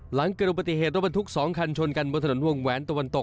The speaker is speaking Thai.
หลังเกิดอุบัติเหตุรถบรรทุก๒คันชนกันบนถนนวงแหวนตะวันตก